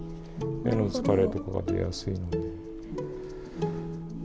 目の疲れとかも出やすいので。